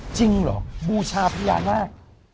จริงเหรอบูชาพญานาค